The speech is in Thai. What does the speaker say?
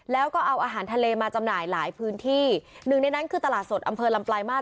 แล้วก็เอาอาหารทะเลมาจำหน่ายหลายพื้นที่หนึ่งในนั้นคือตลาดสดอำเภอลำปลายมาตร